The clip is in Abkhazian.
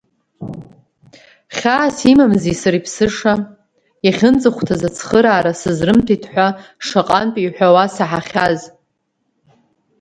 Хьаас имамзи сара иԥсыша, иахьынӡахәҭаз ацхыраара сызрымҭеит ҳәа шаҟантә иҳәауа саҳахьаз?